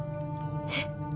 えっ？